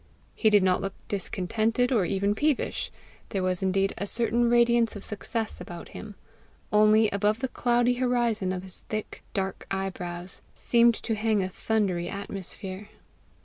He did not look discontented, or even peevish; there was indeed a certain radiance of success about him only above the cloudy horizon of his thick, dark eyebrows, seemed to hang a thundery atmosphere.